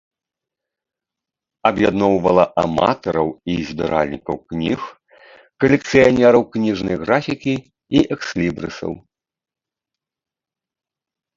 Аб'ядноўвала аматараў і збіральнікаў кніг, калекцыянераў кніжнай графікі і экслібрысаў.